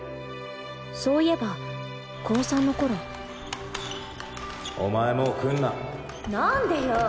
そういえば高３の頃お前もう来んななんでよ。